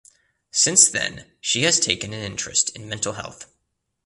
Since then she has taken an interest in mental health.